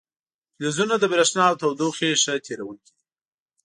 فلزونه د برېښنا او تودوخې ښه تیروونکي دي.